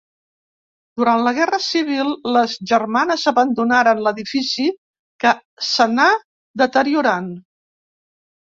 Durant la Guerra Civil les germanes abandonaren l'edifici que s'anà deteriorant.